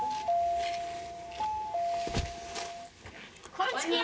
こんにちは。